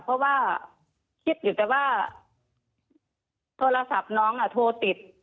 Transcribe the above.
เพราะว่าคิดอยู่แต่ว่าโทรศัพท์น้องโทรติด